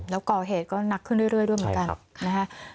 แล้วก่อเหตุก็หนักขึ้นเรื่อยด้วยเหมือนกันนะฮะ